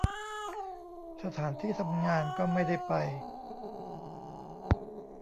สถานที่ทำงานก็ไม่ได้ไป